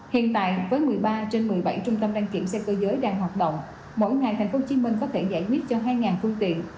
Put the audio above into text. hiện tại với một mươi ba trên một mươi bảy trung tâm đăng kiểm xe cơ giới đang hoạt động mỗi ngày tp hcm có thể giải quyết cho hai phương tiện